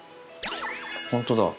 本当だ。